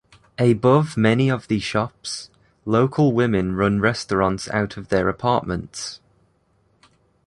Above many of the shops, local women run restaurants out of their apartments.